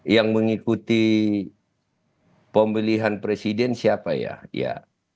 yang mengikuti pemilihan presiden siapa ya